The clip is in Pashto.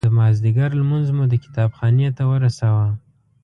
د مازدیګر لمونځ مو د کتاب خانې ته ورساوه.